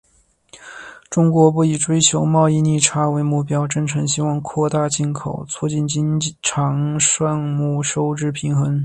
中国不以追求贸易逆差为目标，真诚希望扩大进口，促进经常项目收支平衡。